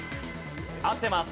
合ってます。